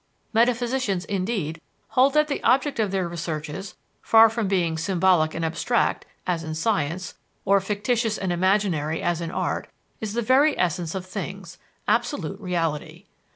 Metaphysicians, indeed, hold that the object of their researches, far from being symbolic and abstract, as in science, or fictitious and imaginary, as in art, is the very essence of things, absolute reality.